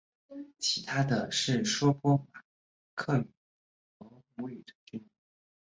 其余的是说波马克语和罗姆语的居民。